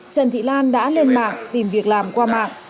trần thị lan đã lên mạng tìm việc làm qua mạng